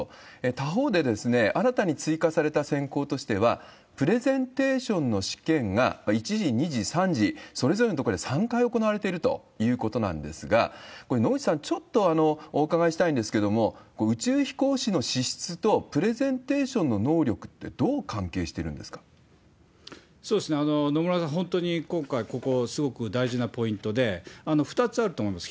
他方で、新たに追加された選考としては、プレゼンテーションの試験が１次、２次、３次、それぞれのところで３回行われているということなんですが、これ、野口さん、ちょっとお伺いしたいんですけれども、宇宙飛行士の資質とプレゼンテーションの能力って、野村さん、本当に今回ここ、すごく大事なポイントで、２つあると思うんです。